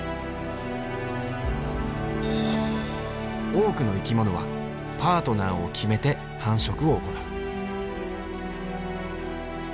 多くの生き物はパートナーを決めて繁殖を行う。